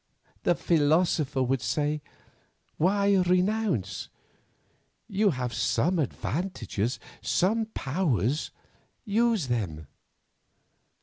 The philosopher would say, Why renounce? You have some advantages, some powers, use them.